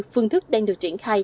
phương thức đang được triển khai